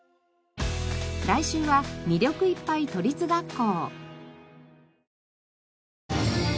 来週は魅力いっぱい都立学校。